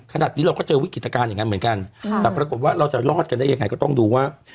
ขนาดนี้เราก็เจอวิกฤตการณ์อย่างนั้นเหมือนกันแต่ปรากฏว่าเราจะรอดกันได้ยังไงก็ต้องดูว่า